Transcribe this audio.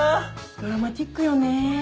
ドラマチックよねぇ。